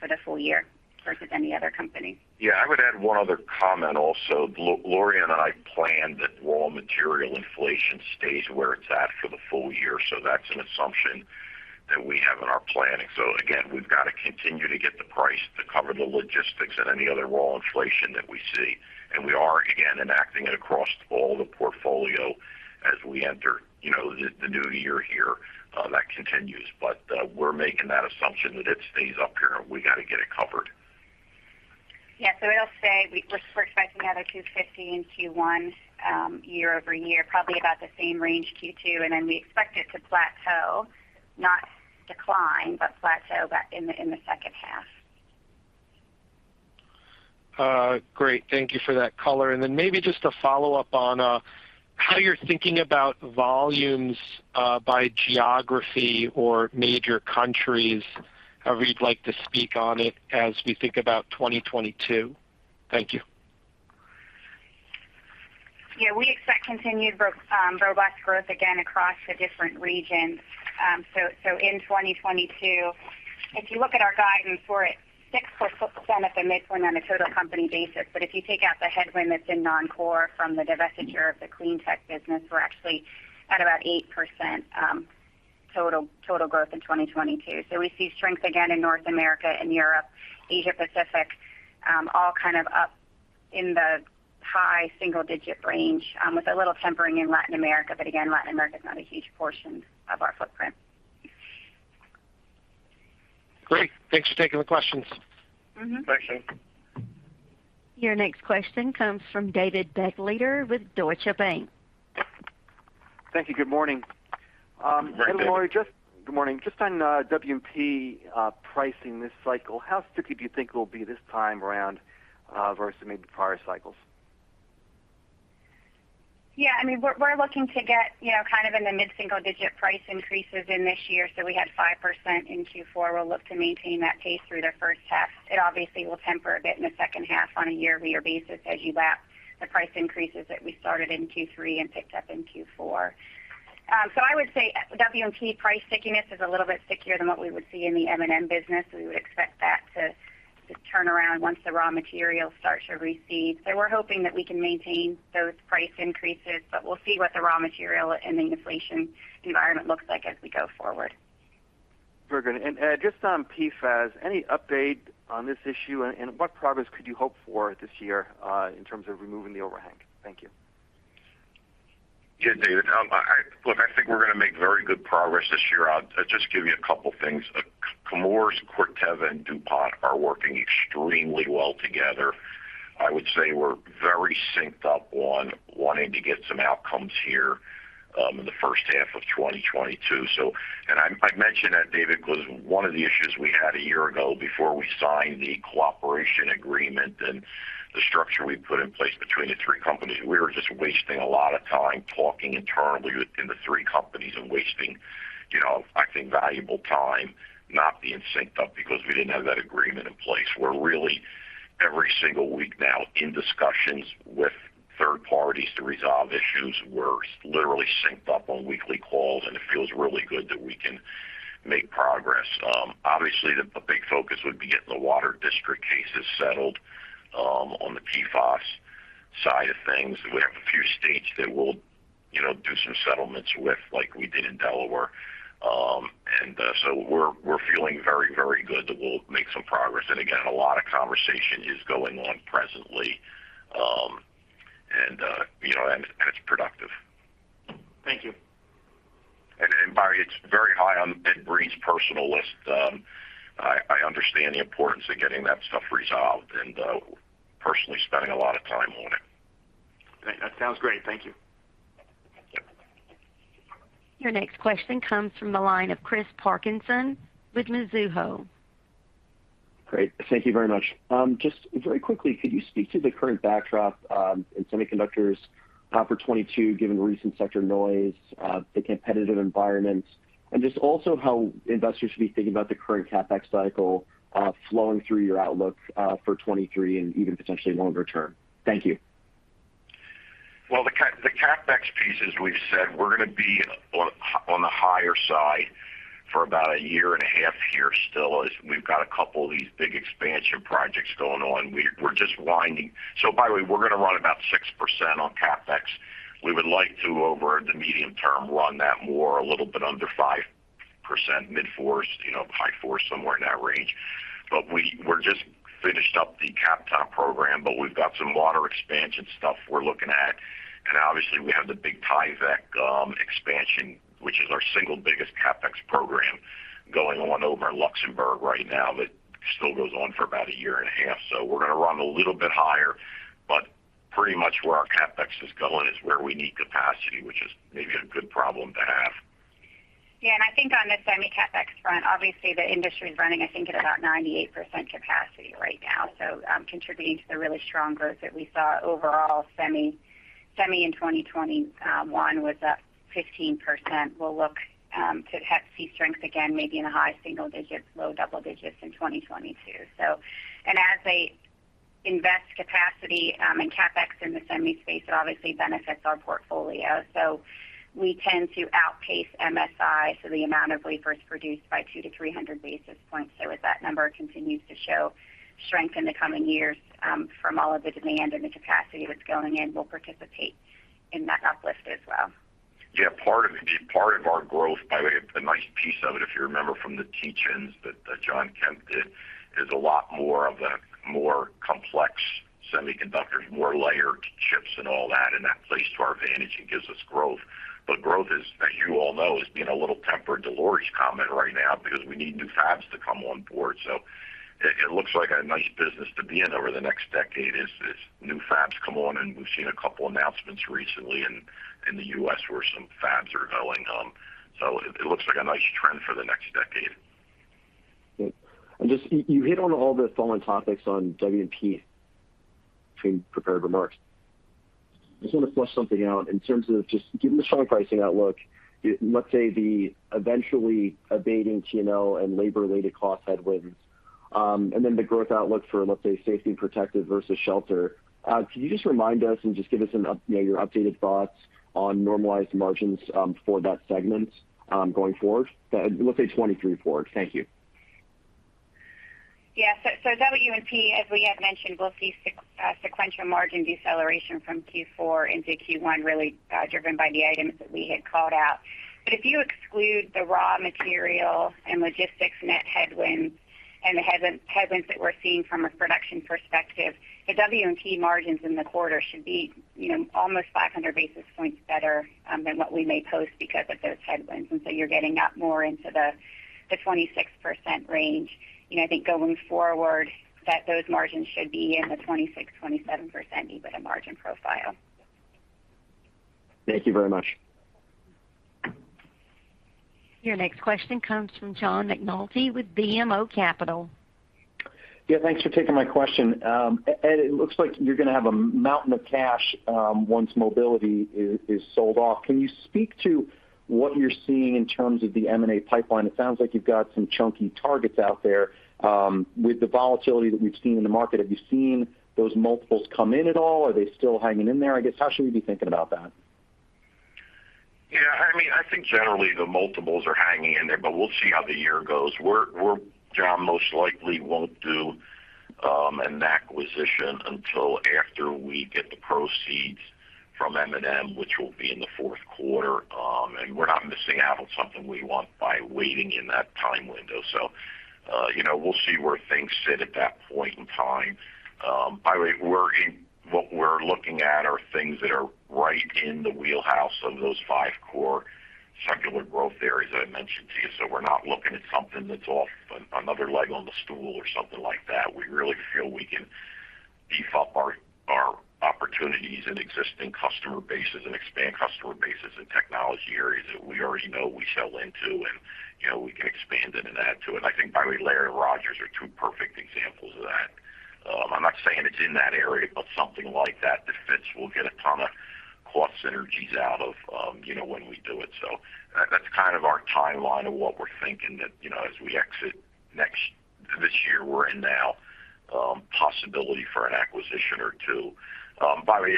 for the full-year versus any other company. Yeah. I would add one other comment also. Laurie and I planned that raw material inflation stays where it's at for the full-year, so that's an assumption that we have in our planning. Again, we've got to continue to get the price to cover the logistics and any other raw inflation that we see, and we are again enacting it across all the portfolio as we enter, you know, the new year here, that continues. We're making that assumption that it stays up here and we got to get it covered. We're expecting another $250 in Q1 year-over-year, probably about the same range in Q2, and then we expect it to plateau, not decline, but plateau back in the second half. Great. Thank you for that color. Maybe just a follow-up on how you're thinking about volumes by geography or major countries, however you'd like to speak on it as we think about 2022. Thank you. Yeah. We expect continued robust growth again across the different regions. In 2022, if you look at our guidance for it, 6% at the midpoint on a total company basis. If you take out the headwind that's in non-core from the divestiture of the Clean Technologies business, we're actually at about 8%, total growth in 2022. We see strength again in North America and Europe, Asia Pacific, all kind of up in the high single digit range, with a little tempering in Latin America. Again, Latin America is not a huge portion of our footprint. Great. Thanks for taking the questions. Mm-hmm. Thank you. Your next question comes from David L. Begleiter with Deutsche Bank. Thank you. Good morning. Hey, David. Laurie, good morning. Just on W&P, pricing this cycle, how sticky do you think it will be this time around, versus maybe prior cycles? Yeah, I mean, we're looking to get, you know, kind of in the mid single digit price increases in this year. We had 5% in Q4. We'll look to maintain that pace through the first half. It obviously will temper a bit in the second half on a year-over-year basis as you lap the price increases that we started in Q3 and picked up in Q4. I would say W&P price stickiness is a little bit stickier than what we would see in the M&M business. We would expect that to turn around once the raw materials start to recede. We're hoping that we can maintain those price increases, but we'll see what the raw material and the inflation environment looks like as we go forward. Very good. Just on PFAS, any update on this issue? What progress could you hope for this year in terms of removing the overhang? Thank you. Yeah, David. Look, I think we're gonna make very good progress this year. I'll just give you a couple things. Chemours, Corteva and DuPont are working extremely well together. I would say we're very synced up on wanting to get some outcomes here in the first half of 2022. I mention that, David, because one of the issues we had a year ago before we signed the cooperation agreement and the structure we put in place between the three companies, we were just wasting a lot of time talking internally within the three companies and wasting, you know, I think valuable time not being synced up because we didn't have that agreement in place. We're really every single week now in discussions with third parties to resolve issues. We're literally synced up on weekly calls, and it feels really good that we can make progress. Obviously a big focus would be getting the Water District cases settled on the PFAS side of things. We have a few states that we'll, you know, do some settlements with like we did in Delaware. We're feeling very, very good that we'll make some progress. Again, a lot of conversation is going on presently, you know, and it's productive. Thank you. By the way, it's very high on Ed Breen's personal list. I understand the importance of getting that stuff resolved and personally spending a lot of time on it. That sounds great. Thank you. Thank you. Your next question comes from the line of Chris Parkinson with Mizuho. Great. Thank you very much. Just very quickly, could you speak to the current backdrop in semiconductors for 2022 given the recent sector noise, the competitive environment, and just also how investors should be thinking about the current CapEx cycle flowing through your outlook for 2023 and even potentially longer term? Thank you. Well, the CapEx pieces we've said we're gonna be on the higher side for about a year and a half here still as we've got a couple of these big expansion projects going on. We're just winding. By the way, we're gonna run about 6% on CapEx. We would like to, over the medium term, run that more a little bit under 5%, mid-fours, you know, high fours, somewhere in that range. We're just finished up the CapEx program, but we've got some water expansion stuff we're looking at. Obviously, we have the big Tyvek expansion, which is our single biggest CapEx program going on over in Luxembourg right now, that still goes on for about a year and a half. We're gonna run a little bit higher, but pretty much where our CapEx is going is where we need capacity, which is maybe a good problem to have. Yeah. I think on the semi CapEx front, obviously, the industry is running, I think at about 98% capacity right now. Contributing to the really strong growth that we saw overall, semi in 2021 was up 15%. We'll look to see strength again maybe in the high single digits, low double digits in 2022. As they invest capacity in CapEx in the semi space, it obviously benefits our portfolio. We tend to outpace MSI, so the amount of wafers produced by 200-300 basis points. As that number continues to show strength in the coming years, from all of the demand and the capacity that's going in, we'll participate in that uplift as well. Part of our growth, by the way, a nice piece of it, if you remember from the teach-ins that Jon Kemp did, is a lot more of a more complex semiconductor, more layered chips and all that, and that plays to our advantage and gives us growth. Growth is, as you all know, being a little tempered to Lori's comment right now because we need new fabs to come on board. It looks like a nice business to be in over the next decade as new fabs come on, and we've seen a couple announcements recently in the U.S. where some fabs are going. It looks like a nice trend for the next decade. Great. Just you hit on all the following topics on W&P in the prepared remarks. I just wanna flesh something out in terms of just given the strong pricing outlook, let's say the eventually abating T&O and labor related cost headwinds, and then the growth outlook for, let's say, safety and protection versus shelter. Can you just remind us and just give us an update, you know, your updated thoughts on normalized margins for that segment going forward? Let's say 2023 forward. Thank you. Yeah. So W&P, as we had mentioned, we'll see sequential margin deceleration from Q4 into Q1, really driven by the items that we had called out. But if you exclude the raw material and logistics net headwinds and the headwinds that we're seeing from a production perspective, the W&P margins in the quarter should be, you know, almost 500 basis points better than what we may post because of those headwinds. You're getting up more into the 26% range. You know, I think going forward that those margins should be in the 26%-27% EBITDA margin profile. Thank you very much. Your next question comes from John McNulty with BMO Capital Markets. Yeah, thanks for taking my question. Ed, it looks like you're gonna have a mountain of cash once Mobility is sold off. Can you speak to what you're seeing in terms of the M&A pipeline? It sounds like you've got some chunky targets out there. With the volatility that we've seen in the market, have you seen those multiples come in at all? Are they still hanging in there? I guess, how should we be thinking about that? Yeah, I mean, I think generally the multiples are hanging in there, but we'll see how the year goes. John most likely won't do an acquisition until after we get the proceeds from M&M, which will be in the fourth quarter. We're not missing out on something we want by waiting in that time window. You know, we'll see where things sit at that point in time. By the way, what we're looking at are things that are right in the wheelhouse of those five core secular growth areas that I mentioned to you. We're not looking at something that's off another leg on the stool or something like that. We really feel we can beef up our opportunities in existing customer bases and expand customer bases in technology areas that we already know we sell into and, you know, we can expand it and add to it. I think by the way, Laird and Rogers are two perfect examples of that. I'm not saying it's in that area, but something like that that fits, we'll get a ton of cost synergies out of, you know, when we do it. That's kind of our timeline of what we're thinking that, you know, as we exit this year we're in now, possibility for an acquisition or two. By the way,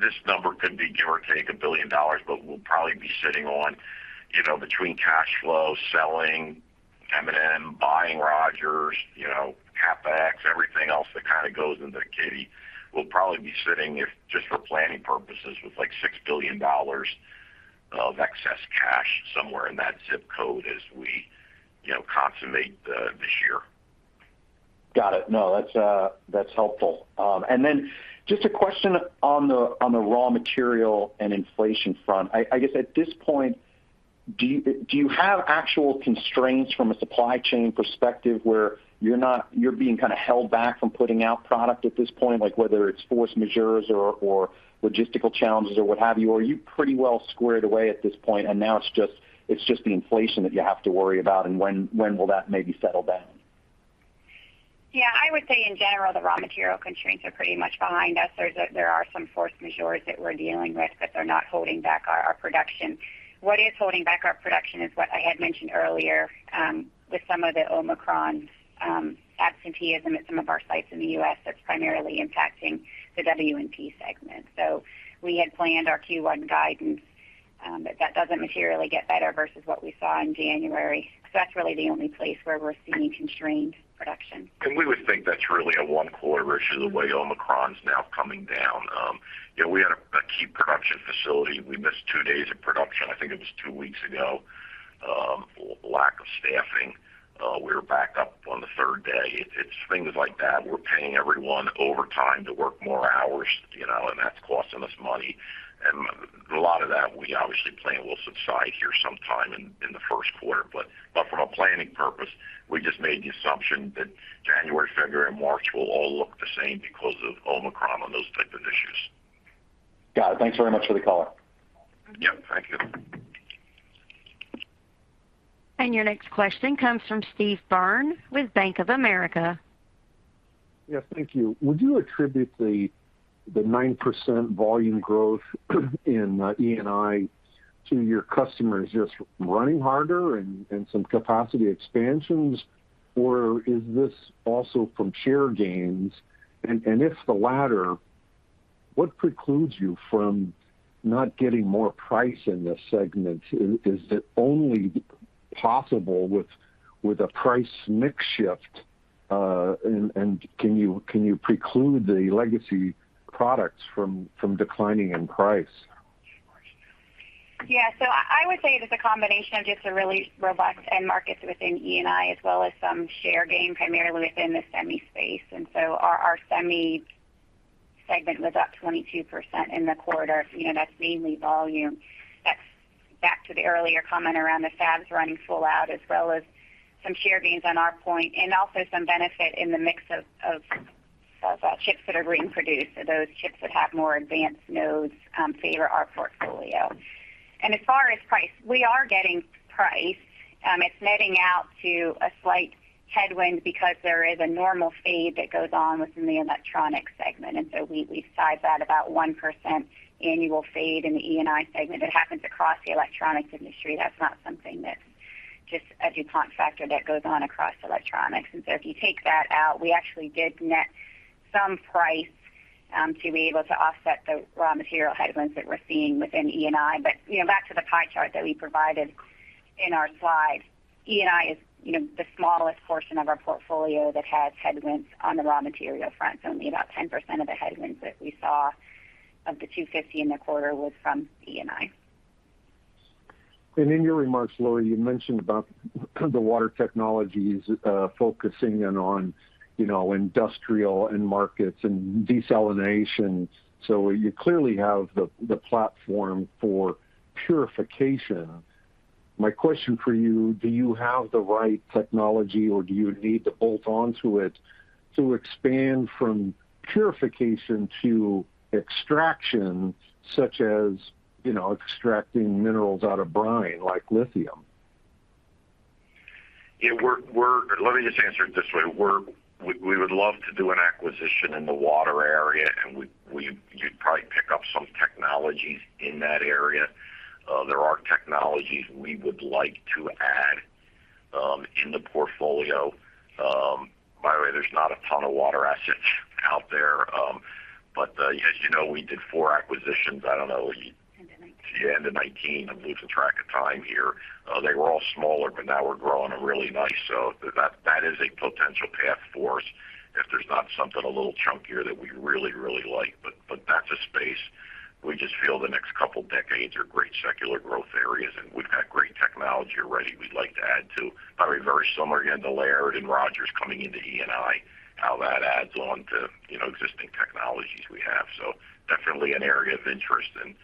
this number could be give or take $1 billion, but we'll probably be sitting on, you know, between cash flow, selling M&M, buying Rogers, you know, CapEx, everything else that kind of goes into the kitty. We'll probably be sitting, if just for planning purposes, with like $6 billion of excess cash somewhere in that ZIP code as we, you know, consummate this year. Got it. No, that's helpful. Just a question on the raw material and inflation front. I guess at this point, do you have actual constraints from a supply chain perspective where you're being kind of held back from putting out product at this point, like whether it's force majeures or logistical challenges or what have you? Or are you pretty well squared away at this point, and now it's just the inflation that you have to worry about, and when will that maybe settle down? Yeah. I would say in general, the raw material constraints are pretty much behind us. There are some force majeures that we're dealing with, but they're not holding back our production. What is holding back our production is what I had mentioned earlier, with some of the Omicron absenteeism at some of our sites in the U.S., that's primarily impacting the W&P segment. We had planned our Q1 guidance, but that doesn't materially get better versus what we saw in January. That's really the only place where we're seeing constrained production. We would think that's really a one quarter issue. The way Omicron is now coming down. You know, we had a key production facility, we missed two days of production, I think it was two weeks ago. Lack of staffing, we were back up on the third day. It's things like that. We're paying everyone overtime to work more hours, you know, and that's costing us money. A lot of that we obviously plan will subside here sometime in the first quarter. But from a planning purpose, we just made the assumption that January, February and March will all look the same because of Omicron and those type of issues. Got it. Thanks very much for the color. Yeah, thank you. Your next question comes from Steve Byrne with Bank of America. Yes, thank you. Would you attribute the 9% volume growth in E&I to your customers just running harder and some capacity expansions, or is this also from share gains? If the latter, what precludes you from not getting more price in this segment? Is it only possible with a price mix shift? Can you preclude the legacy products from declining in price? Yeah. I would say it is a combination of just a really robust end markets within E&I as well as some share gain primarily within the semi space. Our semi segment was up 22% in the quarter. You know, that's mainly volume. That's back to the earlier comment around the fabs running full out as well as some share gains on our part and also some benefit in the mix of chips that are being produced. Those chips that have more advanced nodes favor our portfolio. As far as price, we are getting price, it's netting out to a slight headwind because there is a normal fade that goes on within the electronics segment. We size that about 1% annual fade in the E&I segment. It happens across the electronics industry. That's not something that's just a DuPont factor, that goes on across electronics. If you take that out, we actually did net some price to be able to offset the raw material headwinds that we're seeing within E&I. You know, back to the pie chart that we provided in our slides, E&I is you know, the smallest portion of our portfolio that has headwinds on the raw material front. Only about 10% of the headwinds that we saw of the $250 in the quarter was from E&I. In your remarks, Lori, you mentioned about the water technologies, focusing in on, you know, industrial end markets and desalination. You clearly have the platform for purification. My question for you, do you have the right technology or do you need to bolt on to it to expand from purification to extraction such as, you know, extracting minerals out of brine like lithium? Yeah, we're. Let me just answer it this way. We would love to do an acquisition in the water area, and you'd probably pick up some technologies in that area. There are technologies we would like to add in the portfolio. By the way, there's not a ton of water assets out there. But as you know, we did four acquisitions, I don't know, ye- End of 2019. Yeah, end of 2019. I'm losing track of time here. They were all smaller, but now we're growing them really nice. That is a potential path for us if there's not something a little chunkier that we really like. That's a space we just feel the next couple decades are great secular growth areas, and we've got great technology already we'd like to add to. By the way, very similar again to Laird and Rogers coming into E&I, how that adds on to, you know, existing technologies we have. Definitely an area of interest and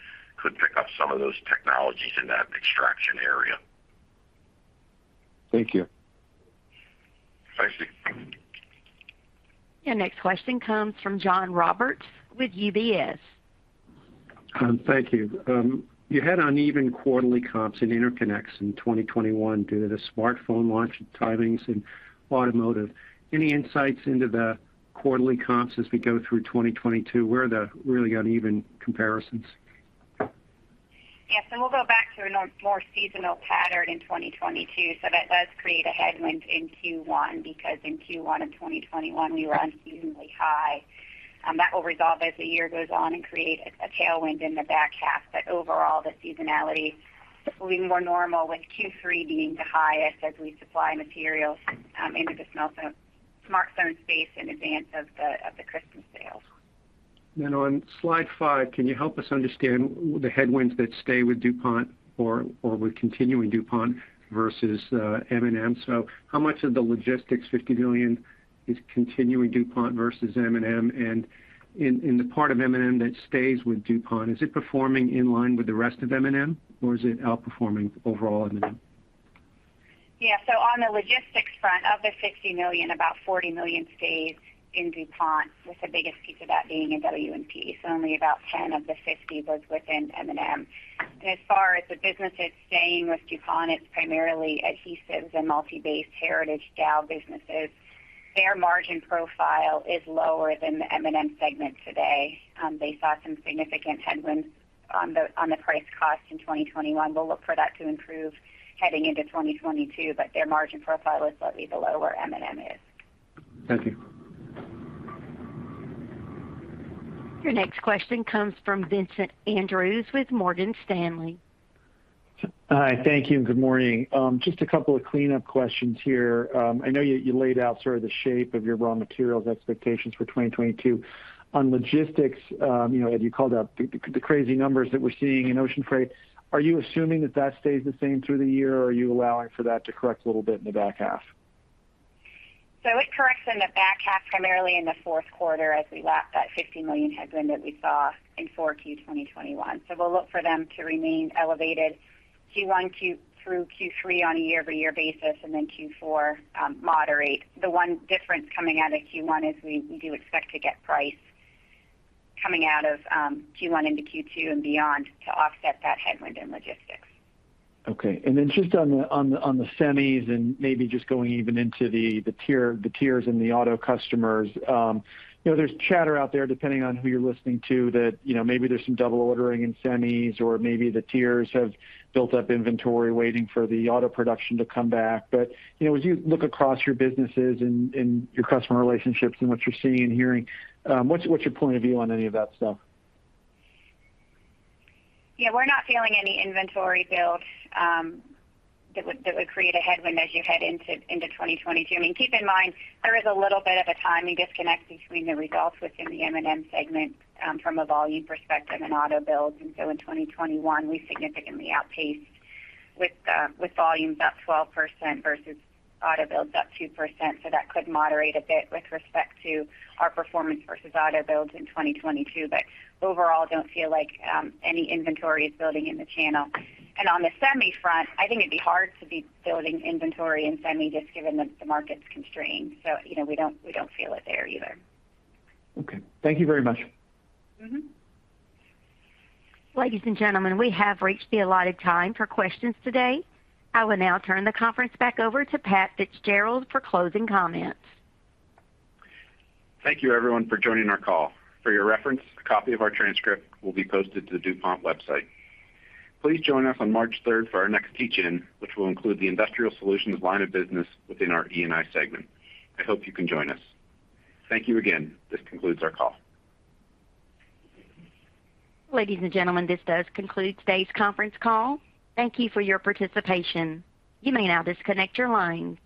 could pick up some of those technologies in that extraction area. Thank you. Thanks, Steve. Your next question comes from John Roberts with UBS. Thank you. You had uneven quarterly comps in interconnects in 2021 due to the smartphone launch timings and automotive. Any insights into the quarterly comps as we go through 2022? Where are the really uneven comparisons? Yes. We'll go back to a more seasonal pattern in 2022. That does create a headwind in Q1 because in Q1 of 2021 we were unseasonably high. That will resolve as the year goes on and create a tailwind in the back half. Overall, the seasonality will be more normal with Q3 being the highest as we supply materials into the smartphone space in advance of the Christmas sales. On slide five, can you help us understand the headwinds that stay with DuPont or with continuing DuPont versus M&M? How much of the logistics $50 million is continuing DuPont versus M&M? In the part of M&M that stays with DuPont, is it performing in line with the rest of M&M or is it outperforming overall M&M? Yeah. On the logistics front of the $50 million, about $40 million stays in DuPont, with the biggest piece of that being in W&P. Only about 10 of the 50 lives within M&M. As far as the business that's staying with DuPont, it's primarily adhesives and Multibase heritage Dow businesses. Their margin profile is lower than the M&M segment today. They saw some significant headwinds on the price cost in 2021. We'll look for that to improve heading into 2022, but their margin profile is slightly below where M&M is. Thank you. Your next question comes from Vincent Andrews with Morgan Stanley. Hi. Thank you, and good morning. Just a couple of cleanup questions here. I know you laid out sort of the shape of your raw materials expectations for 2022. On logistics, you know, Ed, you called out the crazy numbers that we're seeing in ocean freight. Are you assuming that stays the same through the year, or are you allowing for that to correct a little bit in the back half? It corrects in the back half, primarily in the fourth quarter as we lap that $50 million headwind that we saw in Q4 2021. We'll look for them to remain elevated Q1 through Q3 on a year-over-year basis, and then Q4 moderate. The one difference coming out of Q1 is we do expect to get price coming out of Q1 into Q2 and beyond to offset that headwind in logistics. Okay. Then just on the semis and maybe just going even into the tiers and the auto customers. You know, there's chatter out there, depending on who you're listening to, that, you know, maybe there's some double ordering in semis or maybe the tiers have built up inventory waiting for the auto production to come back. You know, as you look across your businesses and your customer relationships and what you're seeing and hearing, what's your point of view on any of that stuff? Yeah, we're not feeling any inventory build that would create a headwind as you head into 2022. I mean, keep in mind, there is a little bit of a timing disconnect between the results within the M&M segment from a volume perspective and auto builds. In 2021, we significantly outpaced with volumes up 12% versus auto builds up 2%. So that could moderate a bit with respect to our performance versus auto builds in 2022. Overall, don't feel like any inventory is building in the channel. On the semi front, I think it'd be hard to be building inventory in semi just given the market's constraints. You know, we don't feel it there either. Okay. Thank you very much. Mm-hmm. Ladies and gentlemen, we have reached the allotted time for questions today. I will now turn the conference back over to Pat Fitzgerald for closing comments. Thank you everyone for joining our call. For your reference, a copy of our transcript will be posted to the DuPont website. Please join us on March third for our next teach-in, which will include the Industrial Solutions line of business within our E&I segment. I hope you can join us. Thank you again. This concludes our call. Ladies and gentlemen, this does conclude today's conference call. Thank you for your participation. You may now disconnect your lines.